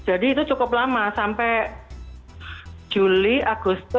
jadi itu cukup lama sampai juli agustus